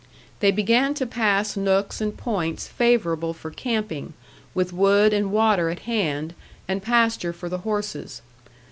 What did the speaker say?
They began to pass nooks and points favorable for camping, with wood and water at hand, and pasture for the horses.